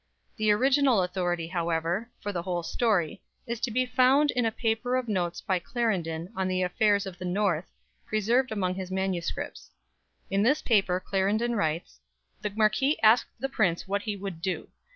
The original authority, however, for the whole story is to be found in a paper of notes by Clarendon on the affairs of the North, preserved among his MSS. In this paper Clarendon writes: "The marq. asked the prince what he would do?